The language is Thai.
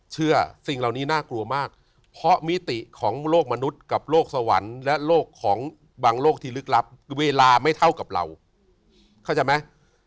สิ่งเหล่านี้น่ากลัวมากเพราะมิติของโลกมนุษย์กับโรคสวรรค์และโรคของบางโรคที่ลึกลับเวลาไม่เท่ากับเราเข้าใจไหม